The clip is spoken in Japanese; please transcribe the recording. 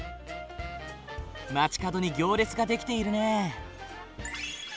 街角に行列が出来ているねえ。